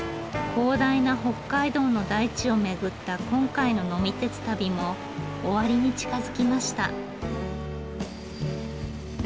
広大な北海道の大地を巡った今回の呑み鉄旅も終わりに近づきました。